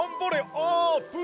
あーぷん！